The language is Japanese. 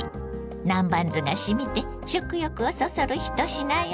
南蛮酢がしみて食欲をそそる一品よ。